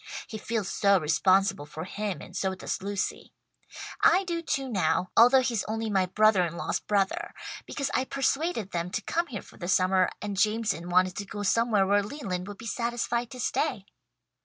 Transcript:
He feels so responsible for him and so does Lucy. I do too, now, although he's only my brother in law's brother, because I persuaded them to come here for the summer, and Jameson wanted to go somewhere where Leland would be satisfied to stay."